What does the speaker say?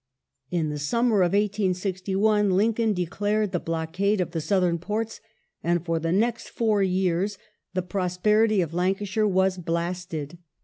In the summer of 1861 Lincoln declared the blockade of the Southern ports, and for the next four years the prosperity of Lancashire was blasted.